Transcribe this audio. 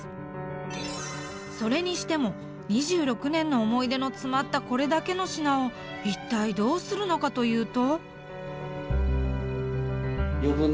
それにしても２６年の思い出の詰まったこれだけの品を一体どうするのかというと。